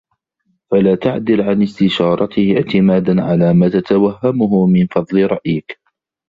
فَلَا تَعْدِلْ عَنْ اسْتِشَارَتِهِ اعْتِمَادًا عَلَى مَا تَتَوَهَّمُهُ مِنْ فَضْلِ رَأْيِك